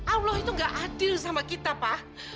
allah itu nggak adil sama kita pa